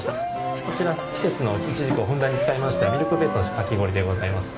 こちら、季節のイチジクをふんだんに使いましたミルクベースのかき氷でございます。